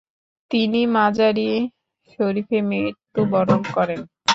তিনি মাজার-ই-শরিফে মৃত্যুবরণ করেন।